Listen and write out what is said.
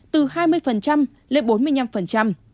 từ hai mươi lên bốn mươi năm